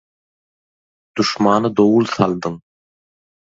Duşmana dowul saldyň.